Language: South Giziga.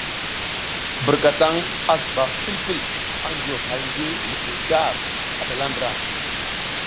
Birkataŋ a zuba pil pil a juyo hay ngi mizli gar ar slala ndra.